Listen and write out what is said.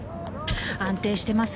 安定しています。